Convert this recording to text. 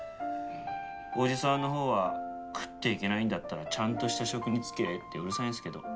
伯父さんのほうは「食っていけないんだったらちゃんとした職に就け」ってうるさいんですけど。